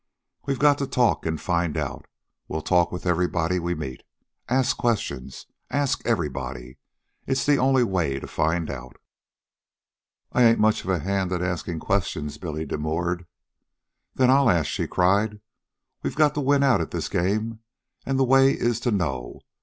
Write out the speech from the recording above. We've got to talk and find out. We'll talk with everybody we meet. Ask questions. Ask everybody. It's the only way to find out." "I ain't much of a hand at askin' questions," Billy demurred. "Then I'll ask," she cried. "We've got to win out at this game, and the way is to know.